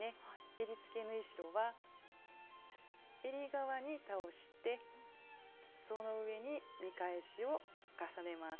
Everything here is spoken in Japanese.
えりつけ縫い代はえり側に倒してその上に見返しを重ねます。